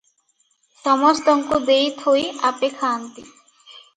ସମସ୍ତଙ୍କୁ ଦେଇ ଥୋଇ ଆପେ ଖାଆନ୍ତି ।